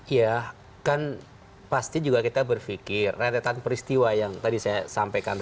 ya kan pasti juga kita berpikir rentetan peristiwa yang tadi saya sampaikan